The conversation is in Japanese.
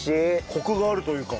コクがあるというか。